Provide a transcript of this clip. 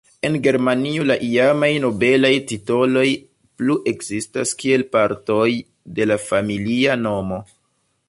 En Germanio la iamaj nobelaj titoloj plu ekzistas kiel partoj de la familia nomo.